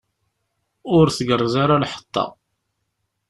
Ur tgerrez ara lḥeṭṭa.